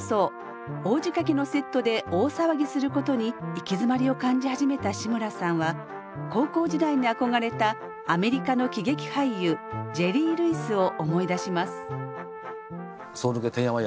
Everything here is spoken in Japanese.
大仕掛けのセットで大騒ぎすることに行き詰まりを感じ始めた志村さんは高校時代に憧れたアメリカの喜劇俳優ジェリー・ルイスを思い出します。